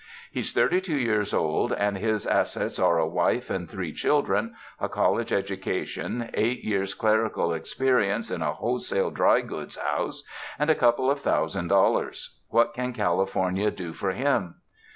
He's thirty two years old and his as sets are a wife and three children, a college educa tion, eight years' clerical experience in a wholesale dry goods house, and a couple of thousand dollars. What can California do for him?"